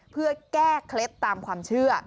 เพื่อแก้เคล็ดตามความเชื่อ